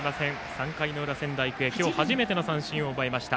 ３回の裏、仙台育英今日初めての三振を奪いました。